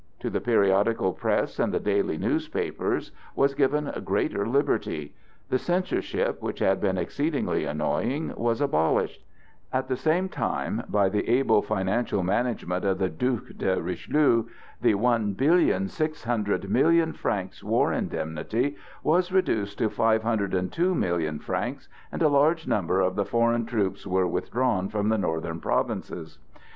To the periodical press and the daily newspapers was given greater liberty; the censorship, which had been exceedingly annoying, was abolished. At the same time, by the able financial management of the Duc de Richelieu, the 1,600,000,000 francs war indemnity was reduced to 502,000,000 francs and a large number of the foreign troops were withdrawn from the northern provinces.